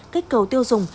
kích cầu tiêu dùng